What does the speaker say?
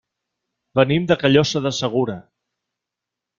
Venim de Callosa de Segura.